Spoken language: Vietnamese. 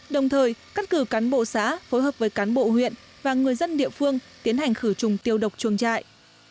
đồng thời cắt cử cán bộ xã phối hợp với cán bộ huyện và người dân địa phương tiến hành khử trùng tiêu độc chuồng trại